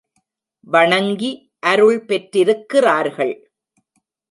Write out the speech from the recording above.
வணங்கி அருள் பெற்றிருக்கிறார்கள்.